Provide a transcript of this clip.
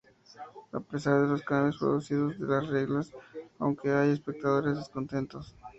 A pesar de los cambios producidos en las reglas, aunque hay espectadores descontentos.